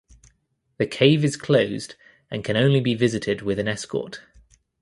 The cave is closed and can only be visited with an escort.